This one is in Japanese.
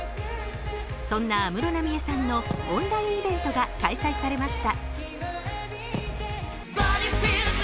そんな安室奈美恵さんのオンラインイベントが開催されました。